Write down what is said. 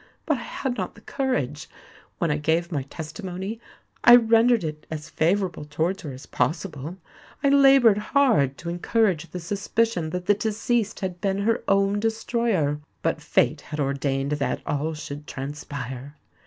But I had not the courage! When I gave my testimony, I rendered it as favourable towards her as possible. I laboured hard to encourage the suspicion that the deceased had been her own destroyer. But fate had ordained that all should transpire."